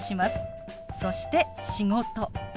そして「仕事」。